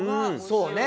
そうね。